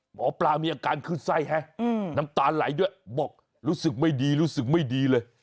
หมอปลามีอาการขึ้นไส้น้ำตาไหลด้วยบอกรู้สึกไม่ดีรู้สึกไม่ดีเลย